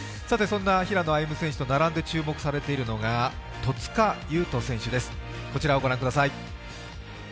平野歩夢選手と並んで注目されているのが戸塚優斗選手です。